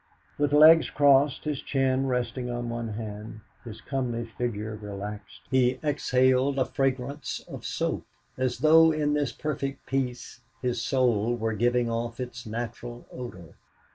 With legs crossed, his chin resting on one hand, his comely figure relaxed, he exhaled a fragrance of soap, as though in this perfect peace his soul were giving off its natural odour.